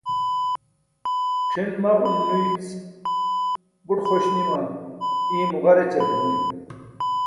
c̣ʰin maġon nuyic buṭ xoś nima iimo ġar ećar duunimi